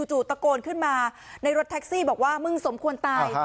ตะโกนขึ้นมาในรถแท็กซี่บอกว่ามึงสมควรตาย